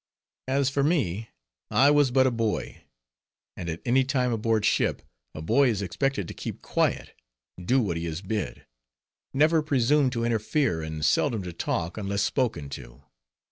As for me, I was but a boy; and at any time aboard ship, a boy is expected to keep quiet, do what he is bid, never presume to interfere, and seldom to talk, unless spoken to.